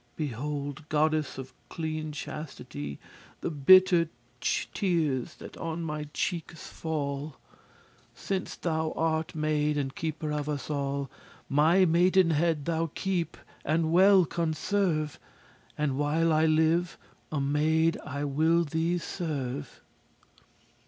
Behold, goddess of cleane chastity, The bitter tears that on my cheekes fall. Since thou art maid, and keeper of us all, My maidenhead thou keep and well conserve, And, while I live, a maid I will thee serve.